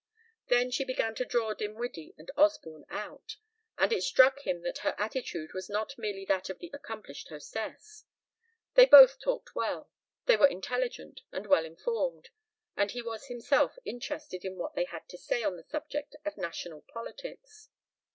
Then she began to draw Dinwiddie and Osborne out, and it struck him that her attitude was not merely that of the accomplished hostess. They both talked well, they were intelligent and well informed, and he was himself interested in what they had to say on the subject of national politics.